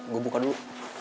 bentar gue buka dulu